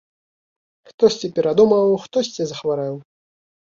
Хтосьці перадумаў, хтосьці захварэў.